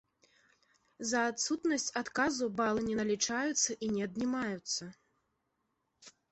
За адсутнасць адказу балы не налічаюцца і не аднімаюцца.